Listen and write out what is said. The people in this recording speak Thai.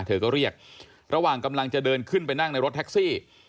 เธอก็เรียกระหว่างกำลังจะเดินขึ้นไปนั่งในรถแท็กซี่